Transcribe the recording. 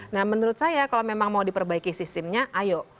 nah menurut saya kalau memang mau diperbaiki sistemnya ayo